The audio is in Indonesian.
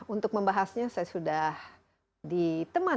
untuk membahasnya saya sudah ditemani oleh tiga orang yang berpengalaman